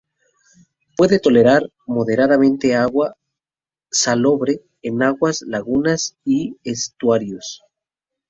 Puede tolerar moderadamente agua salobre en algunas lagunas y estuarios.